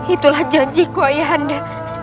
itulah janjiku ayahanda